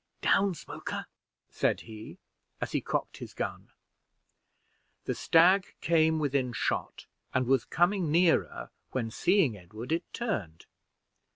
"Down, Smoker," said he, as he cocked his gun. The stag came within shot, and was coming nearer, when, seeing Edward, it turned.